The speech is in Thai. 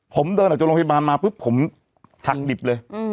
ผมเดินออกจากโรงพยาบาลมาปุ๊บผมหักดิบเลย